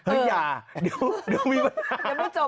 เฮ้ยอย่าเดี๋ยวมีปัญหา